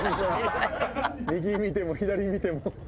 右見ても左見ても。